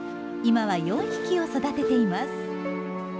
今は４匹を育てています。